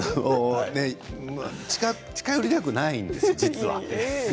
近寄りたくないんです実は。